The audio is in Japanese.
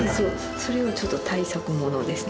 それはちょっと大作ものですね。